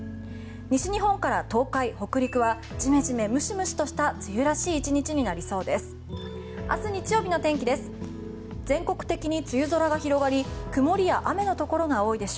西日本から東海、北陸はジメジメ、ムシムシとした梅雨らしい１日になりそうです。